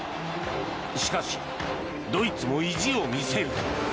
しかし、ドイツも意地を見せる。